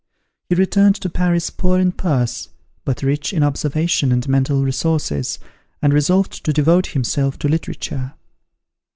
He returned to Paris poor in purse, but rich in observation and mental resources, and resolved to devote himself to literature.